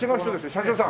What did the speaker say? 社長さん？